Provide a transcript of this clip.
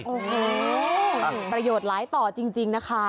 โอ้โหประโยชน์หลายต่อจริงนะคะ